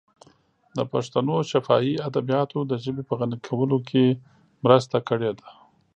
د پښتنو شفاهي ادبیاتو د ژبې په غني کولو کې مرسته کړې ده.